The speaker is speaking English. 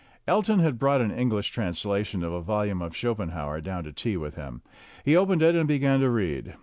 Elton had brought an English translation of a vol ume of Schopenhauer down to tea with him. He opened it and began to read.